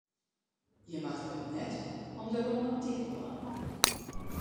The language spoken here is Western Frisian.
Je moatte it net om de romantyk dwaan.